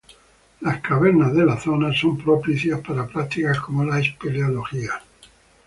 Las cavernas de la zona son propicias para prácticas como la espeleología.